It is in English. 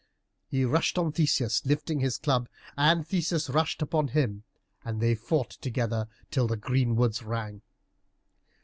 He rushed on Theseus, lifting his club, and Theseus rushed upon him, and they fought together till the greenwoods rang.